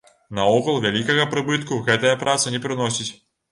Наогул, вялікага прыбытку гэтая праца не прыносіць.